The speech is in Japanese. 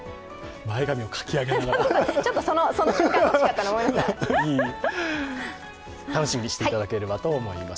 前髪をかき上げながら楽しみにしていただければと思います。